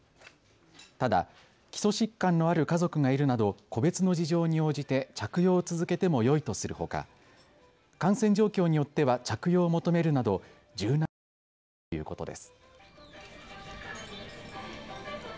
ただ基礎疾患のある家族がいるなど個別の事情に応じて着用を続けてもよいとするほか感染状況によっては着用を求めるなど柔軟に対応するということです。